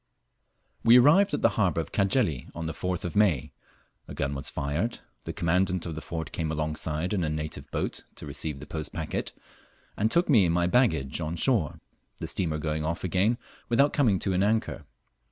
We arrived at the harbour of Cajeli on the 4th of May; a gun was fired, the Commandant of the fort came alongside in a native boat to receive the post packet, and took me and my baggage on shore, the steamer going off again without coming to an anchor.